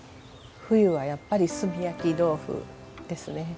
冬はやっぱり炭焼き豆腐ですね。